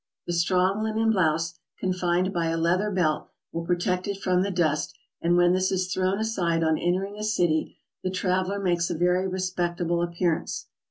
The strong linen blouse, confined by a leather belt, will pro<tect it from the. dust, and when this is thrown aside on entering a city, the traveler makes a very respec table appearance.